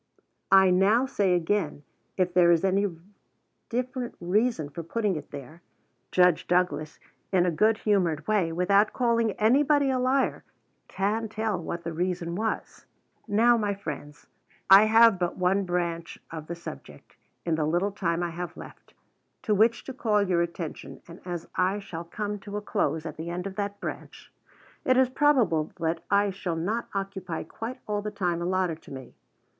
I now say again, if there is any different reason for putting it there, Judge Douglas, in a good humored way, without calling anybody a liar, can tell what the reason was. Now, my friends, I have but one branch of the subject, in the little time I have left, to which to call your attention; and, as I shall come to a close at the end of that branch, it is probable that I shall not occupy quite all the time allotted to me.